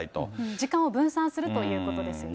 時間を分散するということですよね。